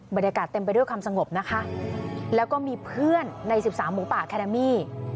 บรรยากาศเต็มไปด้วยความสงบนะคะแล้วก็มีเพื่อนใน๑๓หมูป่าแคนามี่